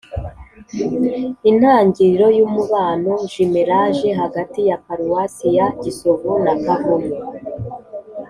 intangiriro y’umubano(jumélage) hagati ya paruwasi ya gisovu na kavumu.